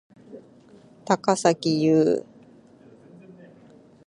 高咲侑